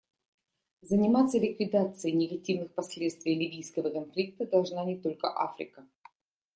Заниматься ликвидацией негативных последствий ливийского конфликта должна не только Африка.